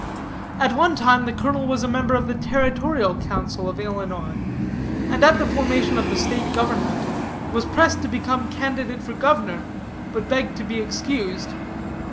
"'At one time the colonel was a member of the territorial council of Illinois, and at the formation of the state government, was pressed to become candidate for governor, but begged to be excused.